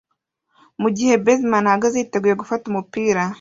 mugihe baseman ahagaze yiteguye gufata umupira